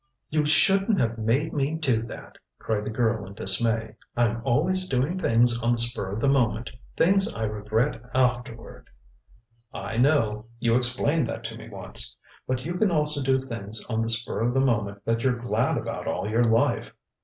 "You shouldn't have made me do that!" cried the girl in dismay. "I'm always doing things on the spur of the moment things I regret afterward " "I know. You explained that to me once. But you can also do things on the spur of the moment that you're glad about all your life.